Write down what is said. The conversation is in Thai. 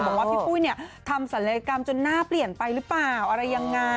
บอกว่าพี่ปุ้ยเนี่ยทำศัลยกรรมจนหน้าเปลี่ยนไปหรือเปล่าอะไรยังไง